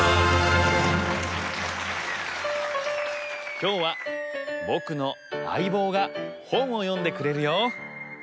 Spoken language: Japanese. きょうはぼくのあいぼうがほんをよんでくれるよ。